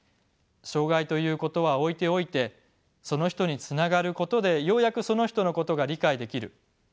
障がいということは置いておいてその人につながることでようやくその人のことが理解できる。